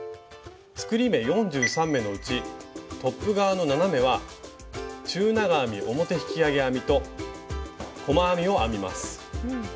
作り目４３目のうちトップ側の７目は中長編み表引き上げ編みと細編みを編みます。